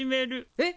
えっ？